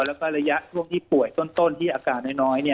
แล้วก็ระยะช่วงที่ป่วยต้นที่อาการน้อย